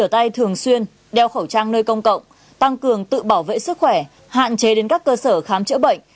trang nơi công cộng tăng cường tự bảo vệ sức khỏe hạn chế đến các cơ sở khám chữa bệnh